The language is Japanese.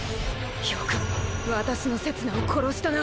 よくも私のせつなを殺したな。